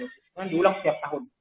dan diulang setiap tahun